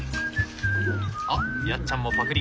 あっやっちゃんもパクリ。